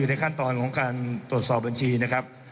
ในขั้นตอนของการตรวจสอบบัญชีนะครับ